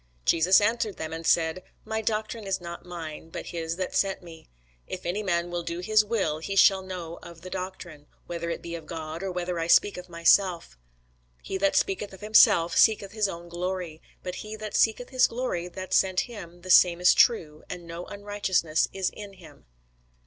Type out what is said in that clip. Jesus answered them, and said, My doctrine is not mine, but his that sent me. If any man will do his will, he shall know of the doctrine, whether it be of God, or whether I speak of myself. He that speaketh of himself seeketh his own glory: but he that seeketh his glory that sent him, the same is true, and no unrighteousness is in him.